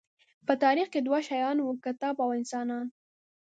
په تاریخ کې دوه شیان وو، کتاب او انسانان.